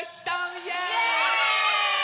イエーイ！